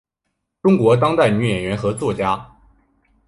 中国当代女演员和作家。